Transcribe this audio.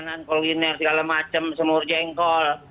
makanan kuliner segala macam semur jengkol